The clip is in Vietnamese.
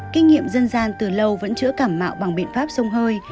kinh nghiệm dân gian từ lâu vẫn chữa cảm mạo bằng biện pháp sông hơi